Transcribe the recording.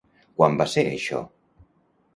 Quan va ser això?